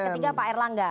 ketiga pak erlangga